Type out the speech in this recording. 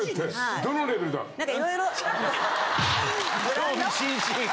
興味津々。